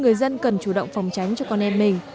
người dân cần chủ động phòng tránh cho con em mình